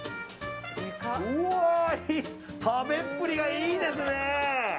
食べっぷりがいいですね！